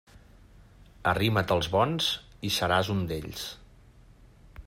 Arrima't als bons, i seràs un d'ells.